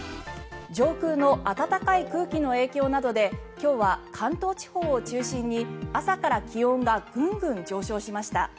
上空の暖かい空気の影響などで今日は関東地方を中心に朝から気温がぐんぐん上昇しました。